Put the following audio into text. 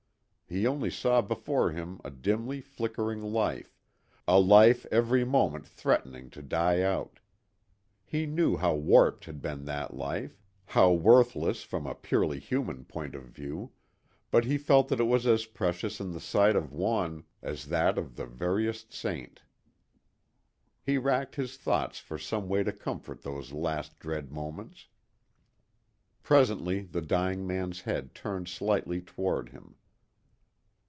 He only saw before him a dimly flickering life, a life every moment threatening to die out. He knew how warped had been that life, how worthless from a purely human point of view, but he felt that it was as precious in the sight of One as that of the veriest saint. He racked his thoughts for some way to comfort those last dread moments. Presently the dying man's head turned slightly toward him.